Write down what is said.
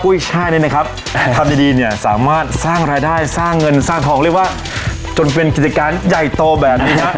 ช่ายนี่นะครับทำดีดีเนี่ยสามารถสร้างรายได้สร้างเงินสร้างทองเรียกว่าจนเป็นกิจการใหญ่โตแบบนี้ฮะ